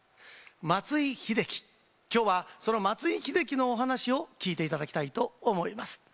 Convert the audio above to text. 松井秀喜、今日はその松井秀喜のお話を聞いていただきたいと思います。